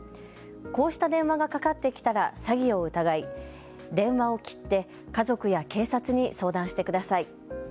こうした電話がかかってきたら詐欺を疑い、電話を切って家族や警察に相談してください。